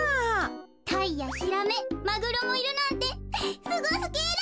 タイやヒラメマグロもいるなんてすごすぎる！